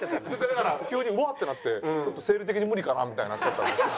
だから急にうわっってなってちょっと生理的に無理かなみたいになっちゃったんですよ。